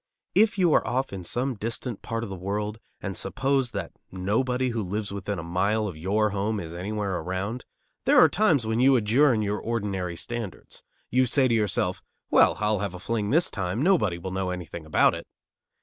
If you are off in some distant part of the world and suppose that nobody who lives within a mile of your home is anywhere around, there are times when you adjourn your ordinary standards. You say to yourself: "Well, I'll have a fling this time; nobody will know anything about it."